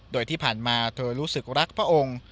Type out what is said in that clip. โดยที่ผ่านมาเธอรู้สึกรักพระองค์